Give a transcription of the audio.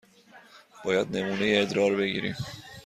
باید نمونه ادرار بگیریم.